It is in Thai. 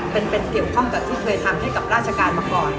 เป็นเกี่ยวข้องกับที่เคยทำให้กับราชการมาก่อน